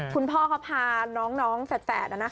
คุณพ่อเขาพาน้องแฝด